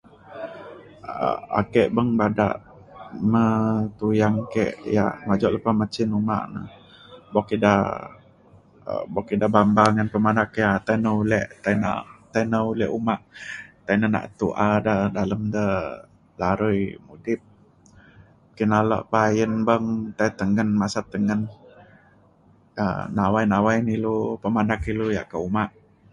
um ake beng bada me tuyang ke ia’ majau lepa cin uma buk ida um buk ida bambam ngan pemanak ia’. Tai na ulek tai na tai na ulek uma tai na na’at tu’a ida dalem da larui mudip kina lok pa ayen bam tai tengen masat tengen ka nawai nawai ne ilu pemanak ilu ia’ ka uma